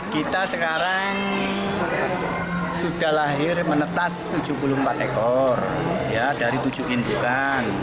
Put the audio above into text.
kita sekarang sudah lahir menetas tujuh puluh empat ekor dari tujuh indukan